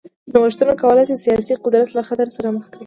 نوښتونه کولای شي سیاسي قدرت له خطر سره مخ کړي.